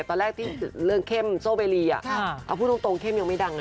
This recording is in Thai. ตอนแรกที่เรื่องเข้มโซเบรีเอาพูดตรงเข้มยังไม่ดังนะ